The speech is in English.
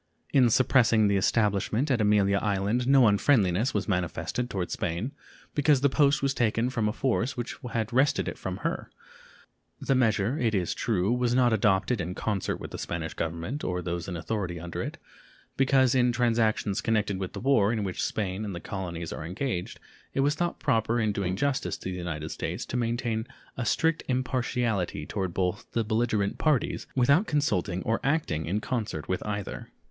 In suppressing the establishment at Amelia Island no unfriendliness was manifested toward Spain, because the post was taken from a force which had wrested it from her. The measure, it is true, was not adopted in concert with the Spanish Government or those in authority under it, because in transactions connected with the war in which Spain and the colonies are engaged it was thought proper in doing justice to the United States to maintain a strict impartiality toward both the belligerent parties without consulting or acting in concert with either.